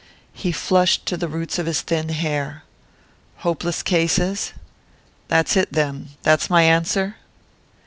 He flushed to the roots of his thin hair. "Hopeless cases? That's it, then that's my answer?"